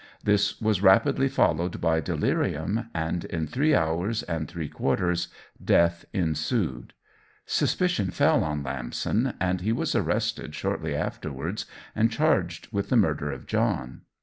This was rapidly followed by delirium, and in three hours and three quarters death ensued. Suspicion fell on Lamson, and he was arrested shortly afterwards, and charged with the murder of John.